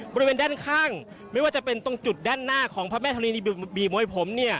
บริเวณแดนข้างไม่ว่าจะเป็นตรงจุดแดนหน้าของพระแม่ธรีนิบีมะโยผม